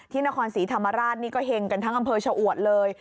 นครศรีธรรมราชนี่ก็เห็งกันทั้งอำเภอชะอวดเลย